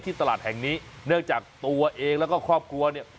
ตลาดแห่งนี้เนื่องจากตัวเองแล้วก็ครอบครัวเนี่ย